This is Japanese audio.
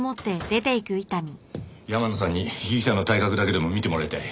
山野さんに被疑者の体格だけでも見てもらいたい。